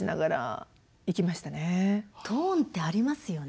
トーンってありますよね。